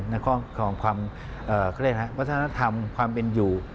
และของความวัฒนธรรมความเป็นอยู่